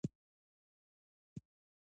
دغه توری تر هغه بل توري کلک ویل کیږي.